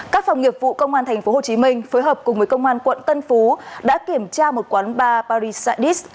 các phòng nghiệp vụ công an tp hcm phối hợp cùng với công an quận tân phú đã kiểm tra một quán bar paris